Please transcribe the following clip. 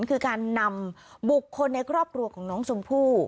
คือการนำบุคคลในครอบครัวของน้องชมพู่